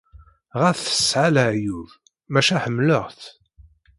Ɣas tesɛa leɛyub, maca ḥemmleɣ-tt.